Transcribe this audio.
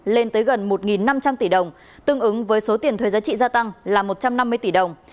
lên tới gần một năm trăm linh tỷ đồng tương ứng với số tiền thuế giá trị gia tăng là một trăm năm mươi tỷ đồng